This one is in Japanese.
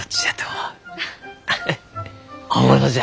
本物じゃ！